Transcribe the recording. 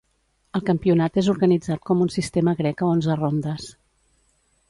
El campionat és organitzat com un sistema grec a onze rondes.